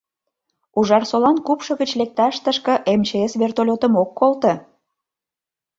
Ужарсолан купшо гыч лекташ тышке МЧС вертолётым ок колто.